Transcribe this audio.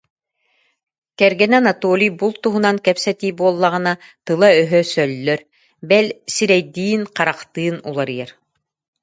Кэргэнэ Анатолий булт туһунан кэпсэтии буоллаҕына тыла-өһө сөллөр, бэл, сирэйдиин-харахтыын уларыйар